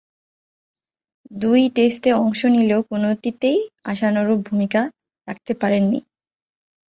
দুই টেস্টে অংশ নিলেও কোনটিতেই আশানুরূপ ভূমিকা রাখতে পারেননি।